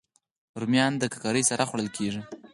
رومیان د ککرې سره خوړل کېږي